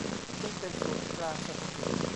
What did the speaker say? ซึ่งเป็นศูนย์กลางเศรษฐกิจ